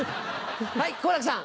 はい好楽さん。